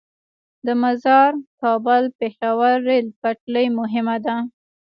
د مزار - کابل - پیښور ریل پټلۍ مهمه ده